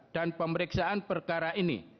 dan pemeriksaan perkara ini